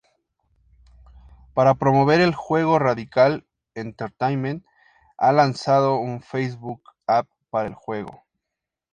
Para promover el juego, Radical Entertainment ha lanzado un Facebook app para el juego.